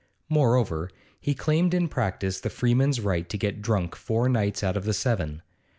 Moreover, he claimed in practice the freeman's right to get drunk four nights out of the seven.